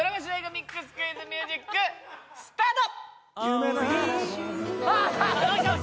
ＭＩＸクイズミュージックスタート！